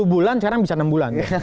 sepuluh bulan sekarang bisa enam bulan